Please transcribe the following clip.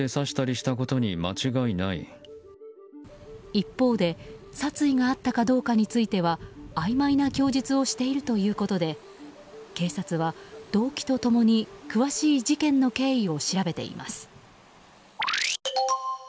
一方で殺意があったかどうかについてはあいまいな供述をしているということで警察は、動機と共に詳しい事件の経緯を調べています。